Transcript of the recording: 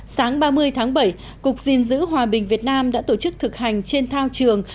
sáng ba mươi tháng bảy cục diện giữ hòa bình việt nam đã tổ chức thực hành trên thao trường